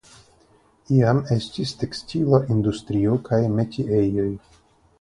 Iam estis tekstila industrio kaj metiejoj.